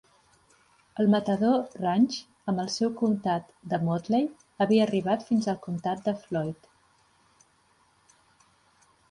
El Matador Ranch, amb seu al comtat de Motley, havia arribat fins al comtat de Floyd.